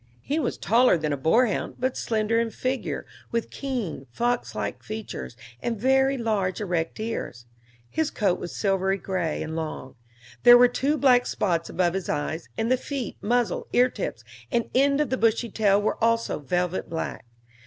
He was taller than a boarhound, but slender in figure, with keen, fox like features, and very large, erect ears; his coat was silvery gray, and long; there were two black spots above his eyes; and the feet, muzzle, ear tips, and end of the bushy tail were also velvet black.